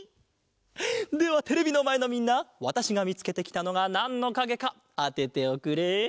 ではテレビのまえのみんなわたしがみつけてきたのがなんのかげかあてておくれ。